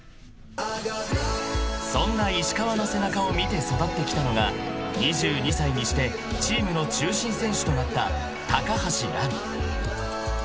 ［そんな石川の背中を見て育ってきたのが２２歳にしてチームの中心選手となった橋藍］